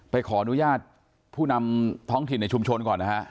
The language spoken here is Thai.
ไปขออนุญาตผู้นำท้องถิ่นในชุมชนก่อนนะฮะ